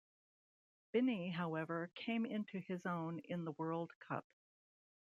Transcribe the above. Binny however came into his own in the World Cup.